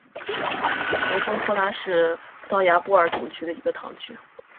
雷丰托拉是葡萄牙波尔图区的一个堂区。